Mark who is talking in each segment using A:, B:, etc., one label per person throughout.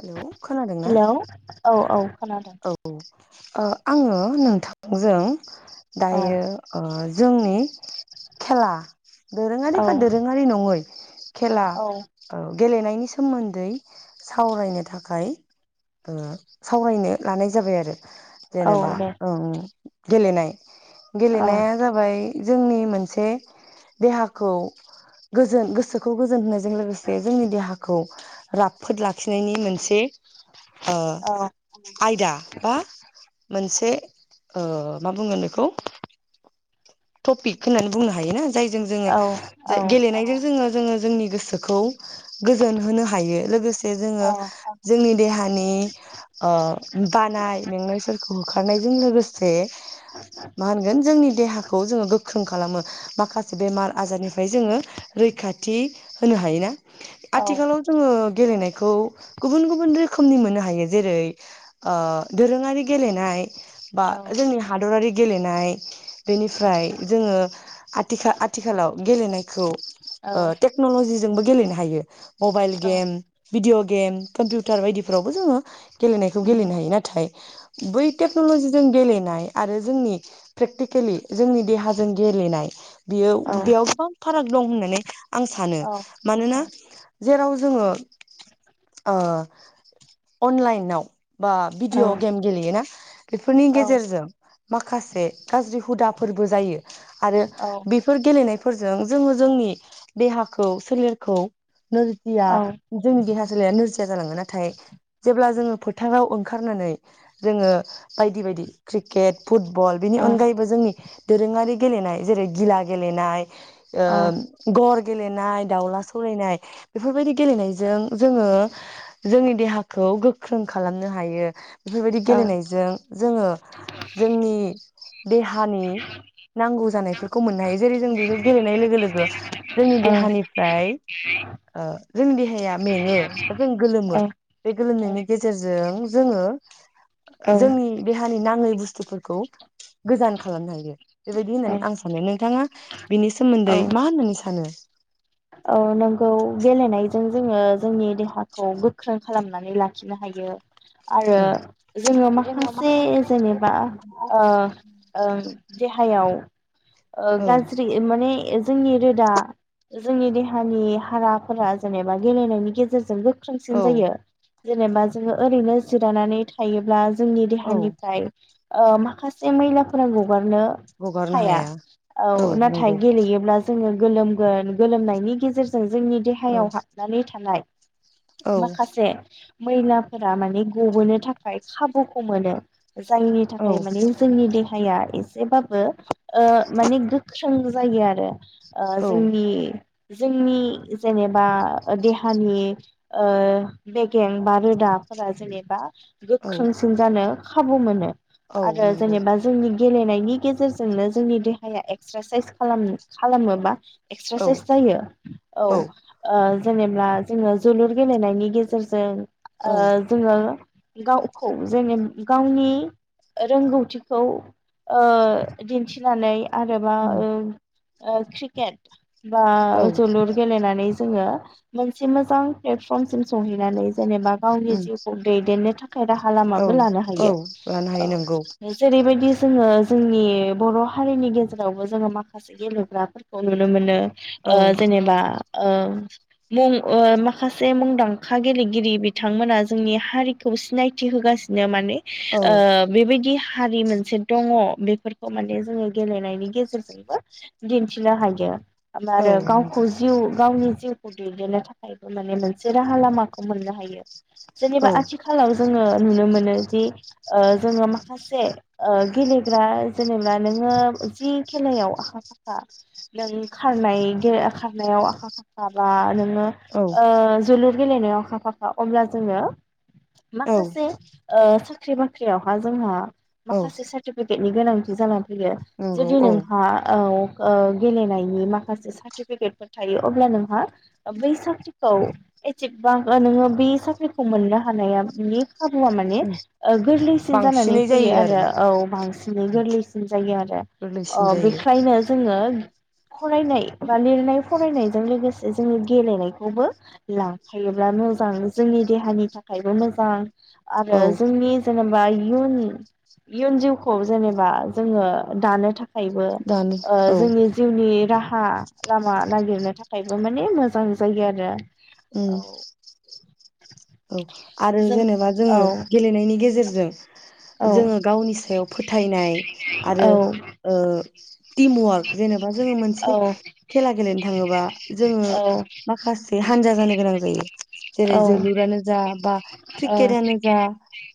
A: Hello खोनादोंना
B: hello औ औ खोनादों।
A: ओ आङो नोंथा जों
B: औ
A: दायो ओ जोंनि खेला
B: औ
A: दोरोङारि बा दोरोङारि नङै खेला
B: औ
A: औ गेलेनायनि सोमोन्दै सावरायनो थाखाय ओ सावरायनो लानाय जाबाय आरो।
B: औ
A: जेनेबा
B: दे
A: ओ ओं। गेलेनाय
B: औ
A: गेलेनाया जाबाय जोंनि मोनसे देहाखौ गोजोन गोसोखौ गोजोन होनायजों लोगोसे जोंनि देहाखौ राफ फोद लाखिनायनि मोनसे ओ
B: औ
A: आयदा बा मोनसे ओ मा बुंगोन बेखौ टपिक होननानै बुंनो हायोना जायजों जोङो
B: औ औ
A: जा गेलेनायजों जोङो जोङो जोंनि गोसोखौ गोजोन होनो हायो लोगो जोङो जोंनि देहानि ओ बानाय मेंनायफोरखौ होखारनायजों लोगोसे मा होनगोन जोंनि देहा ङो गोख्रों खालामो माखासे बेमार आजारनिफाय जोङो रैखाथि होनो हायोना
B: औ औ
A: आथिखालाव जोङो गेलेनायखौ गुबुन गुबुन रोखोमनि मोनो हायो जेरै ओ दोरोङारि गेलेनाय बा जोंनि हादरारि गेलेनाय बेनिफ्राय जोङो आथिख आथिखालाव गेलेनायखौ ओ
B: औ
A: टेक्नलजि जोंबो गेलेनो हायो। मबाइल
B: औ
A: गेम भिडिअ' गेम कम्पिउटार बायदिफ्रावबो जोङो। गेलेनायखौ
B: उम
A: गेलेनो हायो नाथाय बै टेकन'ल'जिजों गेलेनाय आरो जोंनि प्रेकटिक केलि जोंनि देहाजों गेलेनाय बियो
B: औ
A: बेयाव साम [unintelligible] फाराग दं होननानै आं सानो
B: औ औ औ
A: मानोना जेराव जोङो ओ अनलाइनाव बा
B: औ
A: भिडिअ' गेम गेलेयोना बेफोरनि
B: औ
A: गेजेरजों माखासे गाज्रि हुदा फोरबो जायो। आरो बेफोर गेलेनाय फोरजों जोङो जोंनि देहाखौ सोलेरखौ नोरजिया
B: औ
A: जोंनि देहा सोलाया नोरजि [unintelligible] जालाङो नाथाय जेब्ला जोङो फोथाङाव ओंखारनानै जोङो बायदि बायदि क्रिकेट फुटबल बेनि अनगायैबो जोंनि दोरोङारि गेलेनाय जेरै गिला गेलेनाय ओ गर गेलेनाय दाउला सौलायनाय बेफोरबायदि गेलेनायजों जोङो जोंनि देहाखौ गोख्रों खालामनो हायो। बेफोरबायदि गेलेनायजों जोङो जोंनि देहानि नांगौ जानायफोरखौ मोननो हायो जेरै जों बेजों गेलेनाय लोगो लोगो जोंनि देहानिफ्राय ओ जोंनि देहाया मेङो दा जों गोलोमो बे गोलोमनायनि गेजेरजों जोङो
B: औ
A: जोंनि देहानि नाङै बुस्थुफोरखौ गोजान खालामनो हायो। बेबायदि होननानै आं सानो नोंथाङा बिनि सोमोन्दै मा होननानै सानो?
B: ओ नोंगौ गेलनाय जों जोङो जोंनि देहाखौ गोख्रों खालामनानै लाखिनो हायो। आरो
A: औ
B: जोङो माखासे जेनेबा ओ ओ देहा हायाव ओ
A: औ
B: गाज्रि माने जोंनि रोदा जोंनि देहानि हाराफोरा जेनेबा गेलेनायनि गेजेरजों गो गोख्रोंसिन
A: औ
B: जायो। जेनेबा जोङो ओरैनो जिरायनानै थायोब्ला जोंनि
A: औ
B: देहानिफ्राय ओ माखासे मैला फोरानो। हगारनो हाया औ नाथाय गेलेयोब्ला जोङो गोलोमगोन गोलोमनायनि गेजेरजों जोंनि
A: औ
B: देहायाव हाबनानै थानाय
A: औ
B: माखासे मैलाफोरा माने गबोनो थाखाय खाबुखौ मोनो। जायनि
A: औ
B: थाखाय माने जोंनि देहाया एसेबाबो ओ माने गोख्रों जायो आरो। ओ
A: औ
B: जोंनि जोंनि जेनेबा देहानि ओ बेगें बा रोदाफोरा जेनेबा
A: औ
B: गोख्रोंसिन जानो खाबु मोनो।
A: औ
B: आरो
A: नंगौ
B: जेनेबा जोंनि गेलेनायनि गेजेरजोंनो जोंनि देहाया एक एक्सारसाइस खालाम खालामोबा
A: औ
B: एक्सारसाइस जायो औ ओ जेनेब्ला जोङो जोलुर गेलेनायनि गेजेरजों ओ
A: औ
B: जोङो गावखौ जेने गावनि रोंगौथिखौ ओ दिन्थिनानै आरोबा
A: उम
B: ओ ओ क्रिकेट बा
A: औ
B: जोलुर गेलनानै जोङो मोनसे मोजां प्लेटफरम सिम सहैनानै जेनेबा गावनि
A: उम
B: जिउखौ दैदेननो थाखाय राहा
A: औ
B: लामाबो लानो
A: औ
B: हायो
A: लानो हायो नंगौ
B: औ जेरैबायदि जोङो जोंनि बर' हारिनि गेजेरावबो जोङो माखासे गेलेग्राफोरखौ नुनो मोनो।
A: औ
B: ओ जेनेबा ओ मुं ओ माखासे मुंदांखा गेलेगिरि बिथांमोना जोंनि हारिखौ सिनायथि होगासिनो माने
A: औ
B: ओ बेबायदिहा हारि मोनसे दङ बेफोरखौ माने जोङो गेलेनायनि गेजेरजोंबो दिन्थिनो हायो। आम
A: औ
B: आरो
A: नंगौ
B: गावखौ जिउ गावनि जिउ खौ दैदेननो थाखायबो माने मोनसे राहा लामाखौ मोननो हायो। जेनेबा
A: औ
B: आथिखालाव जोङो नुनो मोनो जि ओ जोङो माखासे ओ गेलेग्रा जेनेबा नोङो जि खेलायाव आखा फाखा नों खारनाय गे खारनायाव आखा फाखा बा नों ङो ओ जोलुर गेलेनायाव आखा फाखा अब्ला जोङो
A: औ
B: माखासे ओ साख ख्रि बाख्रियावहा जोंहा
A: औ
B: माखासे सार्टिफिकेट। नि गोनांथि जानानै फैरो
A: नंगौ
B: जुदि
A: औ
B: नोंहा औ। ओ गेलेनाय नि माखासे सार्टिफिकेटफोर थायो अब्ला नोंहा बै साख्रिखौ [unintelligible] नोङो बे साख्रिखौ मोननो हानाया नोंनि खाबुआ माने
A: उम
B: ओ गोरलैसिन जानानै
A: बांसिनै
B: फैयो
A: जायो
B: आरो
A: आरोना
B: औ बांसिनै गोरलैसिन जायो आरो
A: गोरलैसिन
B: अ
A: जायो
B: बेखायनो जोङो फरायनाय बा लिरनाय फरायनायजों लोगोस जोङो गेलेनायखौबो लांफायोब्ला मोजां जोंनि देहानि थाखायबो मोजां। आरो
A: औ
B: जोंनि जोनोम बा इयुन इयुन जिउखौ जेनेबा जोङो दानो थाखा खायबो
A: दानो
B: ओ
A: औ
B: जोंनि नि राहा लामा नागिरनो थाखायबो माने मोजां जायो आरो।
A: उम।
B: औ
A: औ आरो
B: जों
A: जेनेबा जोङो
B: औ
A: गेलेनायनि गेजेरजों
B: औ
A: जोङो गावनि सायाव फोथायनाय आरो
B: औ
A: ओ। [unintelligible] टिम वार्क जेनेबा जोङो मोनसे खेला गेलेनो थाङोबा जोङो
B: औ
A: माखासे हानजा जानो गोनां जायो। जेरै
B: औ
A: जोलुर नो जा बा
B: औ
A: क्रिकेटनो जा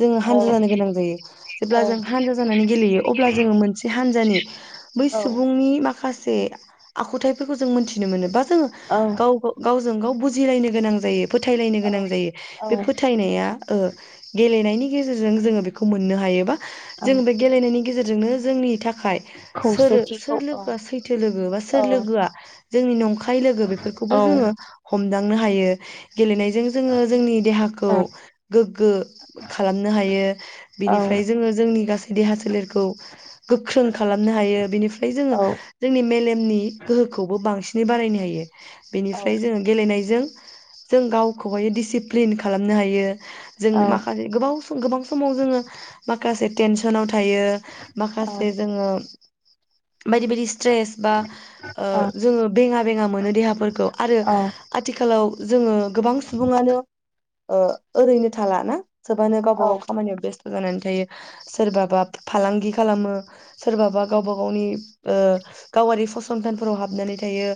A: जोङो
B: औ
A: हानजा जानो गोनां जायो जेब्ला जों हानजा जानानै गेलेयो अब्ला जो मोनसे हानजाानि [inaudible] बै सुबुंनि माखासे से आखुथायाइफोरखौ जों मोनथिनो मोनो बा जों
B: औ
A: गाव गाव जों गाव बुजिलायनो गोनां जायो। फोथायलायनो
B: औ
A: गोनां जायो बे
B: औ
A: फोथायनाया ओ गेलेनायनि गेजेरजों जोङो बेखौ मोन मोननो हायोबा
B: औ
A: जों बे गेलेनायनि गेजेर जोंनो जोंनि थाखाय खाय सोरो सोर
B: खौसेथिखौ औ
A: लोगोआ सैथो लोगो बा
B: औ
A: सोर लोगोआ जोंनि नंखा हाय लोगो बेफौरखौबो
B: औ
A: जोंङो हम मोनदांनो हायो गेलेनायजों जोङो। जोंनि देहाखौ गोग्गो खालामनो हायो
B: औ
A: बिनिफ्राय जोङो जोंनि गासै देहा सोलेरखौ गोख्रों खालामनो हायो बिनिफ्राय जोङो
B: औ
A: जोंनि मेलेमनि गोहोखौबो बांसि बे बारायनो हायो। बेनिफ्राय
B: औ
A: जोङो गेलेनायजों जों गावखौबायो दिसि फ्रिन खालामनो हायो जों
B: औ
A: माखासे गोबाव सम गोबां समाव जोङो माखासे टेनसनाव था थायो
B: औ
A: माखासे जोङो बायदि -बायदि स्ट्रेस बा ओ जोङो बेङा बेङा मोनो देहाफोरखौ आरो आथिखालाव जोङो गोबां सुबुङानो ओ ओरैनो थाला ना सोबानो गावबा गाव खामानियाव बेस्थ जानानै थायो सोरबाबा फालांगि खालामो। सोरबाबा गावबा गावनि ओ गावारि फसं संथानफोराव हाबनानै थायो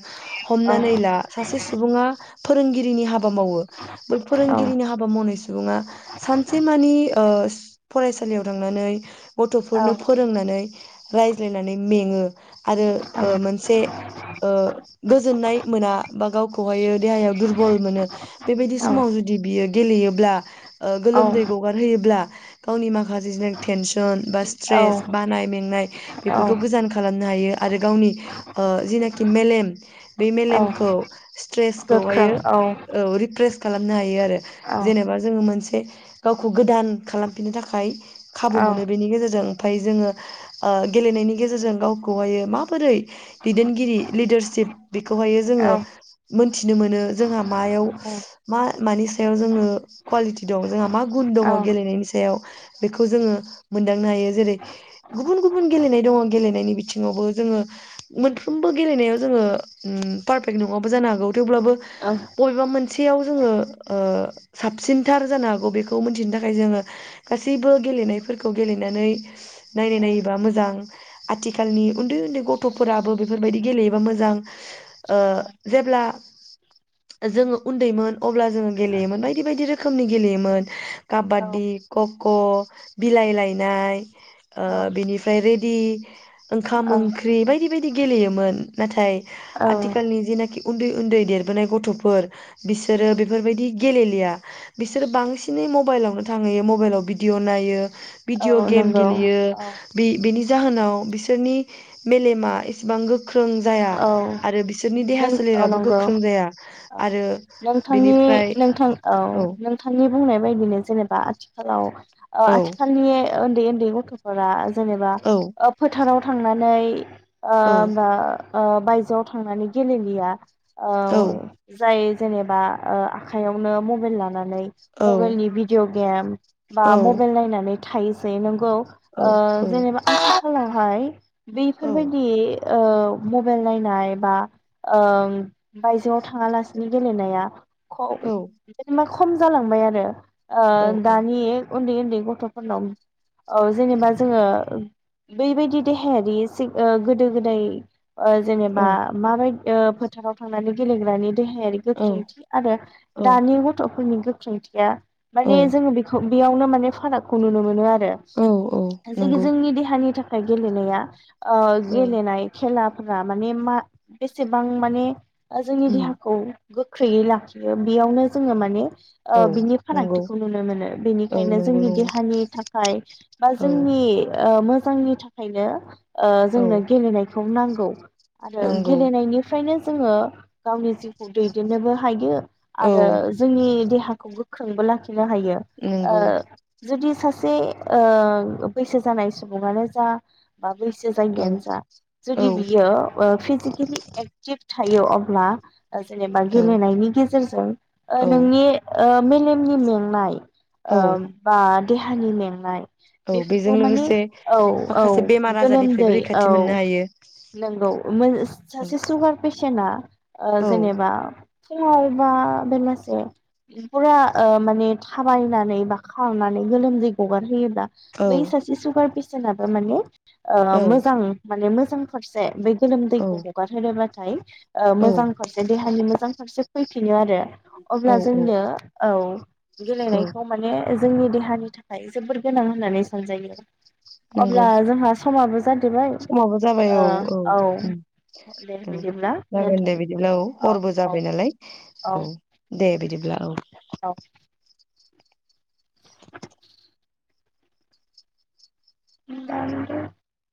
A: हमनानै ला सासे सुबुंआ फोरोंगि गिरिनि हा बा मावो बै
B: औ
A: फोरोंगिरिनि हाबा मावनाय सुबुङा सानसे मानि ओ ओस फरायसालियाव थांनानै गथ'फोरनो फोरोंनानै रायज्लायनानै मेङो। आरो ओ मोनसे ओ गोजोननाय मोना बा गावखौहायो देहायाव दुरबल मोनो बेबायदि
B: औ
A: समाव जुदि बियो गेलेयो ब्ला। ओ गोलोमदै गगारहोयोब्ला गावनि माखा [unintelligible] टेनसन बा स्ट्रेस
B: औ
A: बानाय मेंनाय बेफोरखौ गोजान खालामनो हायो आरो गावनि ओ जिनाखि मेलेम बे
B: औ
A: मेलेमखौ स्ट्रेसखौहायो औ रिप्रेस खालामनो हायो आरो
B: औ
A: जेनेबा जोङो मोनसे गावखौ गोदान खालामफिननो थाखाय खाबु
B: औ
A: मोनो बेनि गेजेरजों फाय जोङो ओ गेलेनायनि गेजेरजों गावखौहायो माबोरै दैदेनगिरि लिडारशिप बेखौहायो
B: औ
A: जोङो मोनथिनो मोनो जोंहा मायाव मा मानि सायाव जोङो कुवालिटि दं जोंहा मा गुन
B: औ
A: दङ गेलेनायनि साया याव बेखौ जोङो मोनदांनो हायो जेरै गुबुन गुबुन गेलेनाय दङ गेलेनायनि बि थिंआवबो जोङो मोनफ्रोमबो गेलेनायाव जोङो चम पारफेक्ट नङाबो जानो हागौ थेवब्लाबो, बबेबा मोनसे बेयाव जोङो ओ साबसिनथार जानो हागौ बेखौ मोनथिनो थाखाय जोङो गासैबो गेलेनायफोरखौ गेलेनानै नायनाय नायोबा मोजां आथिखालनि उन्दै उन्दै गथ'फोराबो बेफोरबायदि गेलेयोबा मोजां, ओ जेब्ला जोङो उन्दैमोन। अब्ला जोङो गेलेयोमोन बायदि बायदि रोखोम रोखोमनि गेलेयोमोन। काबादी खग अ बिलाइ लायनाय ओ बेनिफ्राय दि ओंखाम ओंख्रि बायदि बायदि गेलेयोमोन नाथाय। आथिखाल निजेनाखि। उन्दै उन्दै देरबोनाय गथ'फोर बि फोरो बेफोरबायदि गेलेनो [unintelligible] बिसोरो बांसिनै म मबाइलावनो थांहैयो मबाइलाव भिडिअ नायो।
B: औ
A: भिदिअ' गेम
B: नंगौ
A: गेलेयो
B: औ
A: बे-बेनि जाहोनाव बिसोरनि मेलेमा एसेबां गोख गोख्रों जाया
B: औ
A: आरो बिसोरनि देहा
B: नों औ
A: सोलेराबो
B: नंगौ
A: गोख्रों जाया
B: औ
A: आरो
B: नोंथांनि
A: बिनिफ्राय
B: नोंथां औ नोंथांनि बुंनाय बायदिनो जेनेबा आथिखालाव ओ
A: औ
B: आथिखालनि उन्दै उन्दै गथ'फोरा जेनेबा
A: औ
B: ओ फोथाराव थांनानै
A: औ
B: ओम बा ओ बायजोआव थांनानै गेलेलिया। औ जाय जेनेबा ओ आखाइयावनो मबाइल लानानै। नै
A: औ
B: मबेल नि भिडिअ' गेम बा
A: औ
B: मबेल नायनानै थायोजे नोंगौ। ओ
A: औ औ
B: जेनेबा आथिखालावहाय
A: औ
B: बेफोरबायदि औ मबाइल नायनाय बा ओ बायजोआव थाङालासिनो गेलेनाया
A: औ
B: [unintelligible] खम जालांबाय आरो। आ
A: औ
B: दानि। उन्दै उन्दै गथ'फोरनाव औ जेनेबा जोङो बैबायदि देहायारि गोदो गोदाय ओ जेनेबा माबायदि फोथाराव थांनानै गेलेग्रानि देहायारि गोख्रोंथि आरो दानि गथ' [unintelligible]
A: औ
B: माने जोंङो बेखौ बेयावनो माने फारागखौ नुनो मोनो आरो
A: औ औ
B: ओ जोगो
A: नंगौ
B: जोंनि देहानि थाखा फाय गेलेनाया ओ
A: औ
B: गेलेनाय खेला फोरा माने मा बेसेबां माने जोंनि
A: उम
B: देहाखौ गोख्रैयै लाखियो बेयावनो जोङो माने औ बिनि फारागथिखौ नुनो मोनो
A: औ
B: बेनिखायनो जोंनि
A: नंगौ नंगौ
B: देहानि थाखाय बा
A: औ
B: जोंनि औ मोजांनि थाखायनो औ जोंनो गेलेनाय होनांगौ आरो
A: नांगौ
B: गेलेनायनिफ्रायनो जोंङो गावनि जिउखौ दैदेननोबो हायो।
A: औ
B: आरो जोंनि देहा खौ गोख्रोंबो ला होनो हायो औ
A: नंगौ
B: जुदि सासे सासे ओ बैसो जानाय सुबुङानो जा बा बैसो
A: औ
B: जायियानो जा जुदि
A: औ
B: बियो फिजिकेलि एक्टिभ थायो अब्ला जेनेबा
A: औ
B: गेलेनायनि गेजेरजों ओ
A: औ
B: नोंनि ओ मेलेमनि मेंनाय
A: औ
B: ओम [unintelligible] देहानि मेंनाय
A: औ बेजों
B: बेफोरखौ माने
A: लोगोसे
B: औ औ
A: माखासे बेमार आजारनिफ्रायबो रैखाथि मोननो हायो।
B: नोंगौ उमबाय सासे सुगार पेसेन्टआ
A: औ
B: जेनेबा फुंङाव बा बेलासे फुरा ओ माने थाबायनानै बा खरनानै गोलोमदै गगारहोयो ब्ला बै सासे सुगारपेसे [unintelligible] माने औ मोजां माने मोज थथसे बे गोलोमदै
A: औ
B: खौ हगारहोनोबा [unintelligible] ओ
A: औ
B: मोजां फारसे देहानि मोजां फारसे फैफिनो आरो अब्ला
A: औ औ
B: जोंनो औ
A: औ
B: गेलेनायखौ माने जोंनि देहानि थाखाय जोबोर गोनां होननानै सानजायो।
A: नंगौ
B: अब्ला जोंहा समाबो जाद जोबाय
A: समाबो औ औ औ
B: बिदिब्ला
A: जागोन दे
B: दोनथ'नो
A: बिदिब्ला औ हरबो जाबाय नालाय औ दे बिदिब्ला औ।
B: औ [unintelligible]